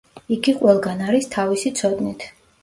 იგი ყველგან არის თავისი ცოდნით.